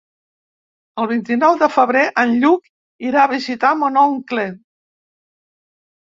El vint-i-nou de febrer en Lluc irà a visitar mon oncle.